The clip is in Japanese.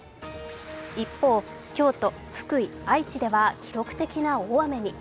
一方、京都、福井、愛知では記録的な大雨に。